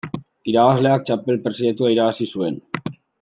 Irabazleak txapel preziatua irabazi zuen.